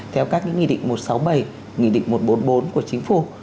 theo các nghị định một trăm sáu mươi bảy nghị định một trăm bốn mươi bốn của chính phủ